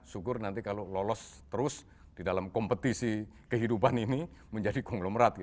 syukur nanti kalau lolos terus di dalam kompetisi kehidupan ini menjadi konglomerat